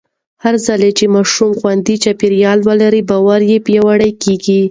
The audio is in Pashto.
هرځل چې ماشومان خوندي چاپېریال ولري، باور یې پیاوړی کېږي.